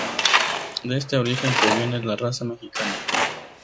De este origen, proviene la raza mexicana.